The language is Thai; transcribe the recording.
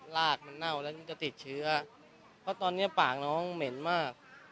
ลากมันเน่าแล้วมันจะติดเชื้อเพราะตอนนี้ปากน้องเหม็นมาก